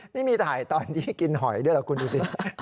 นี่มีถ่ายตอนที่กินหอยด้วยเหรอคุณดูสิ